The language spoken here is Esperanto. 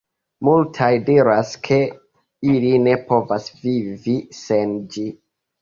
Multaj diras, ke ili ne povas vivi sen ĝi.